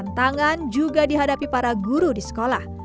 tentangan yang dihadapi para guru di sekolah